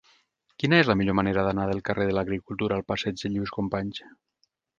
Quina és la millor manera d'anar del carrer de l'Agricultura al passeig de Lluís Companys?